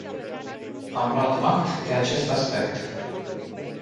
Am luat act de acest aspect.